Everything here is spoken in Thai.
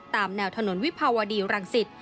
ตามแนวถนนวิภาวดีรังสิต